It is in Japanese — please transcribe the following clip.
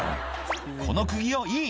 「この釘よいい？」